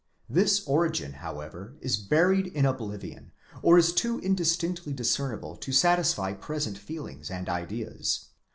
This origin however is buried in oblivion, or is too indistinctly discernible to satisfy present feelings and ideas.